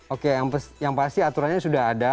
oke yang pasti aturannya sudah ada